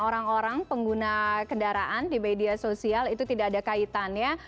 orang orang pengguna kendaraan di media sosial itu tidak ada kaitannya